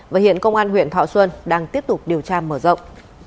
và hiện công an huyện thọ xuân đang tiếp tục điều tra mở rộng